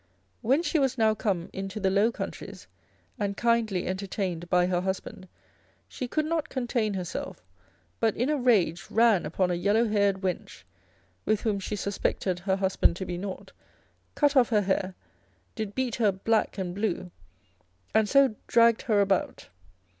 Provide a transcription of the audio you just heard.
When she was now come into the Low Countries, and kindly entertained by her husband, she could not contain herself, but in a rage ran upon a yellow haired wench, with whom she suspected her husband to be naught, cut off her hair, did beat her black and blue, and so dragged her about.